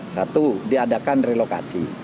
satu diadakan relokasi